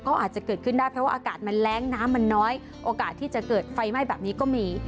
ก็อาจจะเกิดขึ้นได้เพราะว่าอากาศมันแรงน้ำมันน้อยโอกาสที่จะเกิดไฟไหม้แบบนี้ก็มี